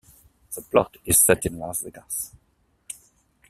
The plot is set in Las Vegas.